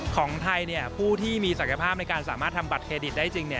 ของไทยผู้ที่มีศักยภาพในการสามารถทำบัตรเครดิตได้จริง